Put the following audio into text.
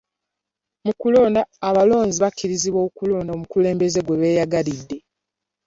Mu kulonda, abalonzi bakkirizibwa okulonda omukulembeze gwe beyagalidde.